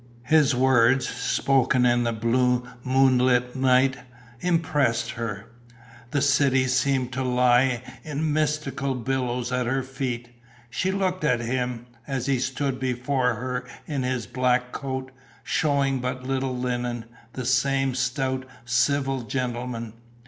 His words, spoken in the blue moonlit night, impressed her. The city seemed to lie in mystical billows at her feet. She looked at him, as he stood before her in his black coat, showing but little linen, the same stout, civil gentleman.